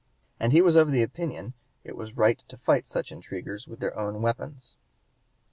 And he was of opinion it was right to fight such intriguers with their own weapons."